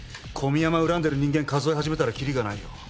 小宮山恨んでる人間数え始めたら切りがないよ。